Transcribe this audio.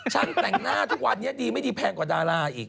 แต่งหน้าทุกวันนี้ดีไม่ดีแพงกว่าดาราอีก